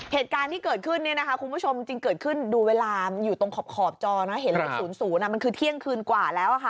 เหตุการณ์ที่เกิดขึ้นเนี่ยนะคะคุณผู้ชมจริงเกิดขึ้นดูเวลาอยู่ตรงขอบจอนะเห็นเลข๐๐มันคือเที่ยงคืนกว่าแล้วค่ะ